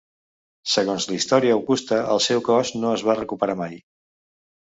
Segons la Història Augusta, el seu cos no es va recuperar mai.